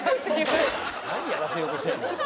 何やらせようとしてんの？